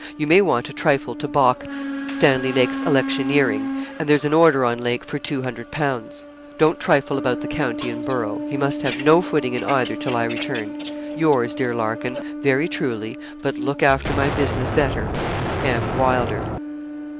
You may want a trifle to balk S.L.'s electioneering, and there's an order on Lake for 200_l._ Don't trifle about the county and borough. He must have no footing in either till I return. 'Yours, dear Larkin, 'Very truly '(but look after my business better), 'M. WYLDER.'